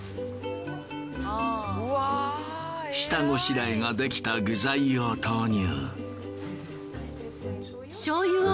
下ごしらえができた具材を投入。